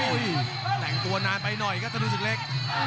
แต่งตัวนานไปหน่อยครับธนูศึกเล็ก